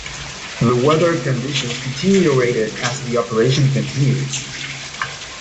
The weather conditions deteriorated as the operation continued.